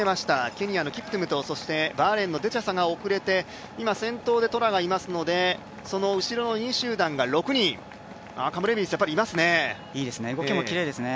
ケニアのキプトゥムとバーレーンのデチャサが遅れて今、先頭でトラがいますので後ろの集団が６人いますね。